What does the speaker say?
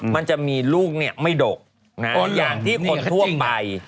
มันจะมีลูกไม่ดกเพราะอย่างที่คนทั่วไป